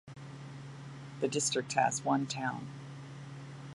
The district has one town.